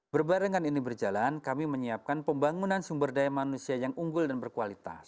berbarengan ini berjalan kami menyiapkan pembangunan sumber daya manusia yang unggul dan berkualitas